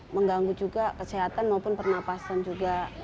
mengganggu juga kesehatan maupun pernapasan juga